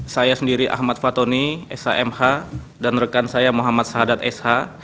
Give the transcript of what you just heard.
saya sendiri ahmad fatoni shmh dan rekan saya muhammad sahadat sh